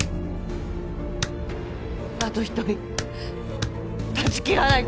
あと１人断ち切らないと！